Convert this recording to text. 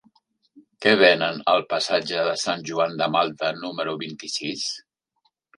Què venen al passatge de Sant Joan de Malta número vint-i-sis?